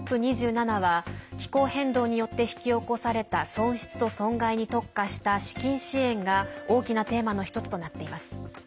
ＣＯＰ２７は気候変動によって引き起こされた損失と損害に特化した資金支援が大きなテーマの１つとなっています。